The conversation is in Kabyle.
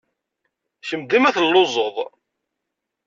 Kemm dima telluẓed!